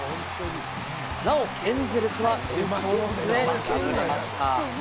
「なおエ」ンゼルスは延長の末、敗れました。